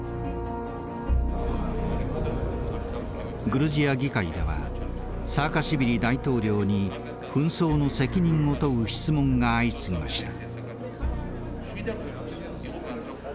グルジア議会ではサーカシビリ大統領に紛争の責任を問う質問が相次ぎました。